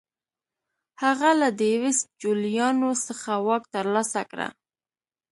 هغه له ډیډیوس جولیانوس څخه واک ترلاسه کړ